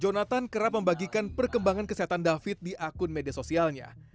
jonathan kerap membagikan perkembangan kesehatan david di akun media sosialnya